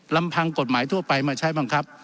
ลำพังกฎหมายทั่วไปมาใช้บังคับ